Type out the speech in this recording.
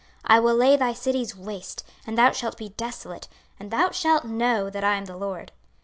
26:035:004 I will lay thy cities waste, and thou shalt be desolate, and thou shalt know that I am the LORD.